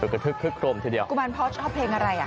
คุณผู้ชมไปฟังเสียงกันหน่อยว่าเค้าทำอะไรกันบ้างครับ